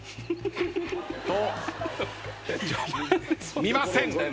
見ません。